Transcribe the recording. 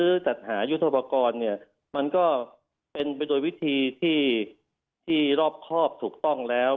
ซื้อจัดหายุทธปรากรมันก็เป็นไปโดยวิธีที่รอบครอบถูกต้องแล้ว